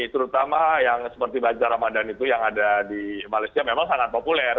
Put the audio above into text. terutama yang seperti bazar ramadan itu yang ada di malaysia memang sangat populer